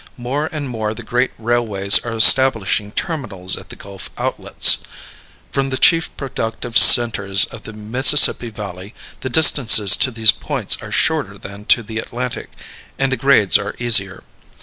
More and more the great railways are establishing terminals at the Gulf outlets. From the chief productive centers of the Mississippi Valley the distances to these points are shorter than to the Atlantic, and the grades are easier.